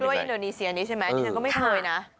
กล้วยอินโดนีเซียนี่ใช่ไหมอีกแล้วก็ไม่เคยนะ